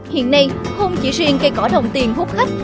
hiện nay không chỉ riêng cây cỏ đồng tiền hút khách